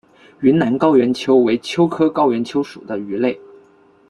云南高原鳅为鳅科高原鳅属的鱼类。